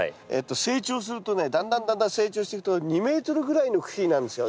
成長するとねだんだんだんだん成長してくと２ｍぐらいの茎になるんですよ。